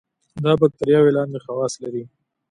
دا باکتریاوې لاندې خواص لري.